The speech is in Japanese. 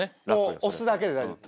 もう押すだけで大丈夫。